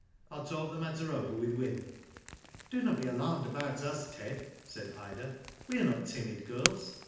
I'll talk the matter over with Wyn." " Do not be alarmed about us, Ted," said Ida^ we are not timid girls.